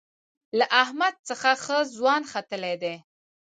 له احمد څخه ښه ځوان ختلی دی.